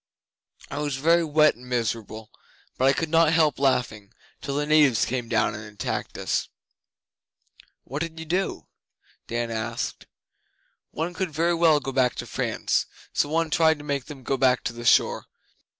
I was very wet and miserable, but I could not help laughing, till the natives came down and attacked us.' 'What did you do?' Dan asked. 'One couldn't very well go back to France, so one tried to make them go back to the shore.